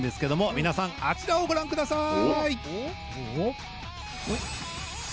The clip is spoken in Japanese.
皆さん、あちらをご覧ください。